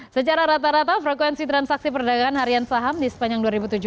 secara rata rata frekuensi transaksi perdagangan harian saham di sepanjang dua ribu tujuh belas